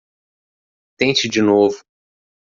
Tente de novo.